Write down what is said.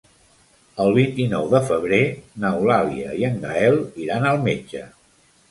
El vint-i-nou de febrer n'Eulàlia i en Gaël iran al metge.